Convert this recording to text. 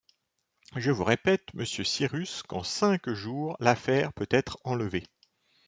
Je vous répète, monsieur Cyrus, qu’en cinq jours l’affaire peut être enlevée